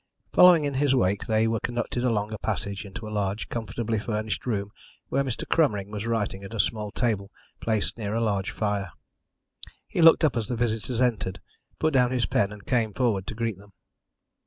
Following in his wake, they were conducted along a passage and into a large comfortably furnished room, where Mr. Cromering was writing at a small table placed near a large fire. He looked up as the visitors entered, put down his pen, and came forward to greet them.